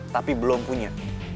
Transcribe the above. tapi belum punya